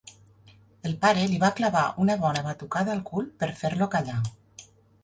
El pare li va clavar una bona batucada al cul per fer-lo callar.